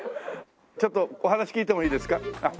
ちょっとお話聞いてもいいですか？